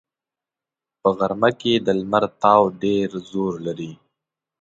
په غرمه کې د لمر تاو ډېر زور لري